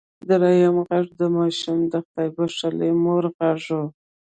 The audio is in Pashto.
دريم غږ د ماشوم د خدای بښلې مور غږ و.